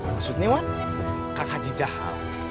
maksudnya wan kang haji jahal